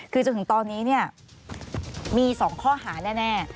คือจนถึงตอนนี้เนี่ยมี๒ข้อหาแน่